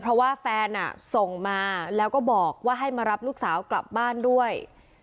เพราะว่าแฟนส่งมาแล้วก็บอกว่าให้มารับลูกสาวกลับบ้านด้วย